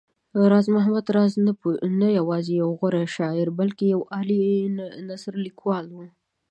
راز محمد راز دی نه يوازې يو غوره شاعر بلکې يو عالي نثرليکوال و